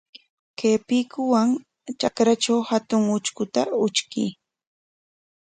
Kay piikuwan kaytraw hatun utrkuta utrkuy.